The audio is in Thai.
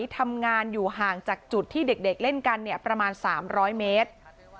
ทำงานอยู่ห่างจากจุดที่เด็กเล่นกันเนี่ยประมาณสามร้อยเมตร